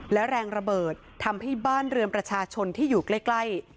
และแรงระเบิดทำให้บ้านเรือนประชาชนที่อยู่ใกล้